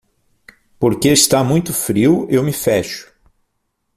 Porque está muito frio, eu me fecho.